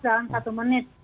dalam satu menit